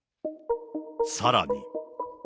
さらに。